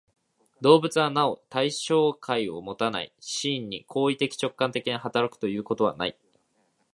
動物はなお対象界をもたない、真に行為的直観的に働くということはない。